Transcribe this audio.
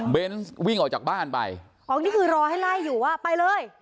เบนส์วิ่งออกจากบ้านไปอ๋อนี่คือรอให้ไล่อยู่ว่าไปเลย